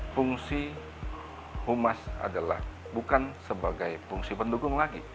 fungsi humas adalah bukan sebagai fungsi pendukung lagi